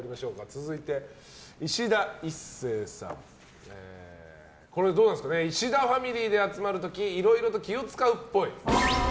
続いて、いしだ壱成さん石田ファミリーで集まる時色々と気を使うっぽい。